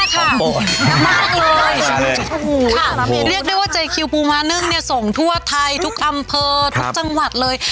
มากเลยค่ะเรียกได้ว่าเจคิวปูมานึ่งเนี่ยส่งทั่วไทยทุกอำเภอทุกจังหวัดเลย